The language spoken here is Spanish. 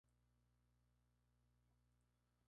Wade desde Canadá, el Reino Unido, y los Estados Unidos.